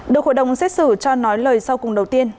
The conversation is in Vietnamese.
được hội đồng xét xử cho nói lời sau cùng đầu tiên